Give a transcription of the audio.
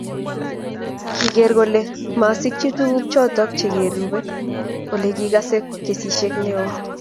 Kigeer kole masikchi tuguk choto chegerube, olegigase kesishek neo